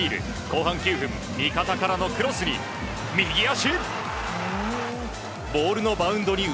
後半９分、味方からのクロスに右足！